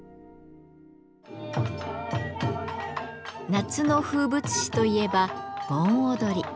夏の風物詩といえば盆踊り。